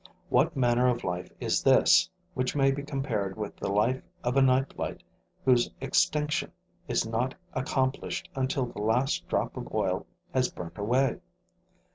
What manner of life is this, which may be compared with the life of a night light whose extinction is not accomplished until the last drop of oil has burnt away?